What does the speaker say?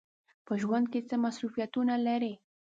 په ژوند کې څه مصروفیتونه لرئ؟